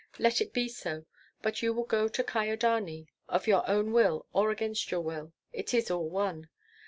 Let it be so. But you will go to Kyedani, of your own will or against your will; it is all one.